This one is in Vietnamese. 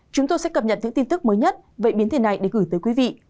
chúng tôi sẽ cập nhật những tin tức mới nhất về biến thể này để gửi tới quý vị